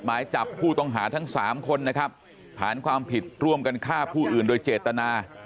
หมายจับผู้ต้องหาทั้งสามคนนะครับฐานความผิดร่วมกันฆ่าผู้อื่นโดยเจตนา